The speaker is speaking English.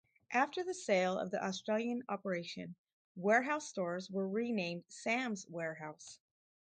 After the sale of the Australian operation, Warehouse stores were renamed Sam's Warehouse.